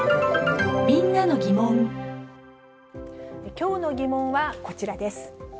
きょうのギモンはこちらです。